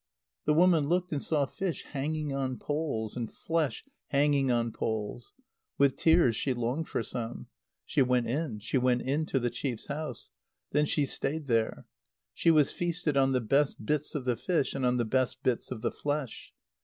The woman looked and saw fish hanging on poles, and flesh hanging on poles. With tears she longed for some. She went in, she went in to the chief's house. Then she stayed there. She was feasted on the best bits of the fish and on the best bits of the flesh.